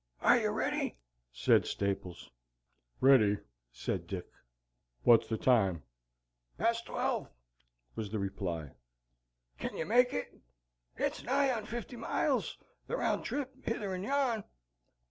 "Are you ready?" said Staples. "Ready," said Dick; "what's the time?" "Past twelve," was the reply; "can you make it? it's nigh on fifty miles, the round trip hither and yon."